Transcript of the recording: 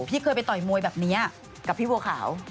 เคยไปต่อยมวยแบบนี้กับพี่บัวขาว